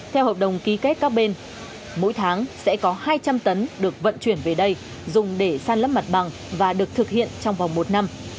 theo hợp đồng ký kết các bên mỗi tháng sẽ có hai trăm linh tấn được vận chuyển về đây dùng để san lấp mặt bằng và được thực hiện trong vòng một năm